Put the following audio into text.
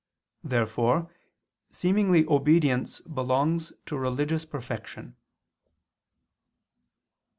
Therefore seemingly obedience belongs to religious perfection.